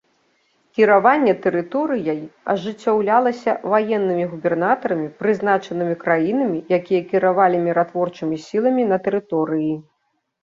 Кіраванне тэрыторыяй ажыццяўлялася ваеннымі губернатарамі, прызначанымі краінамі, якія кіравалі міратворчымі сіламі на тэрыторыі.